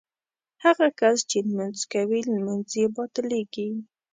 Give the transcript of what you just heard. هغه کس چې لمونځ کوي لمونځ یې باطلېږي.